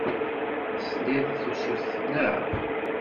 Teslid i tusut, naɣ?